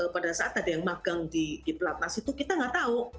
pada saat tadi yang magang di pelat nas itu kita nggak tahu